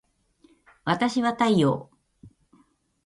わたしは太陽